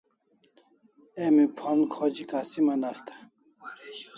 Emi phon khoji kasiman asta